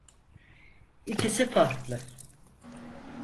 İkisi farklı.